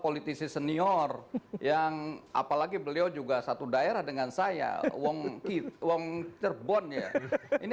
politisi senior yang apalagi beliau juga satu daerah dengan saya wong kit wong cerbon ya ini